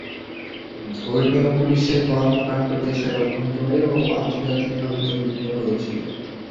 ধর্মীয় পুলিশের কর্মকাণ্ড দেশের অভ্যন্তরে ও আন্তর্জাতিকভাবে নিন্দিত হয়েছিল।